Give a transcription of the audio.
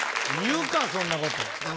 ゆうかそんなこと。